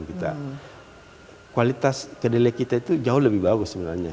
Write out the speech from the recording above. kita kualitas kedelai kita itu jauh lebih bagus sebenarnya